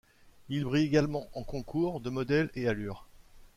Il brille également en concours de modèle et allures.